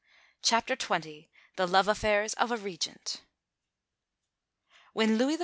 CHAPTER XX THE LOVE AFFAIRS OF A REGENT When Louis XIV.